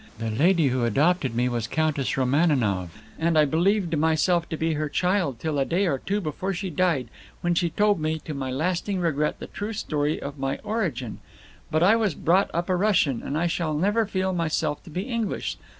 "The lady who adopted me was Countess Romaninov, and I believed myself her child till a day or two before she died, when she told me, to my lasting regret, the true story of my origin. But I was brought up a Russian, and I shall never feel myself to be English.